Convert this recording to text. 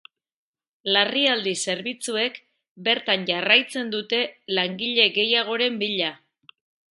Larrialdi zerbitzuek bertan jarraitzen dute langile gehiagoren bila.